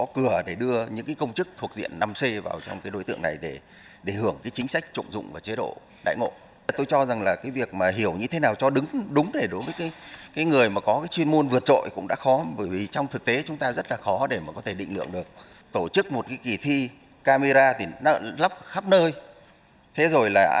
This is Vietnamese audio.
chính sách thu hút trọng dụng đại ngộ người có tài năng